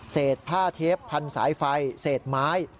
เศษผ้าเทปพันธุ์สายไฟเศษไม้